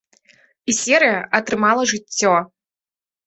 І серыя атрымала жыццё.